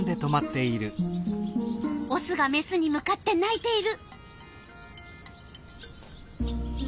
オスがメスに向かって鳴いている。